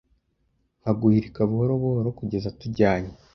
Nka guhirika buhoro buhoro kugeza tujyanye